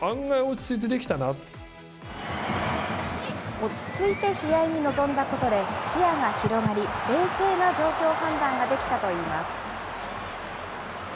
落ち着いて試合に臨んだことで視野が広がり、冷静な状況判断ができたといいます。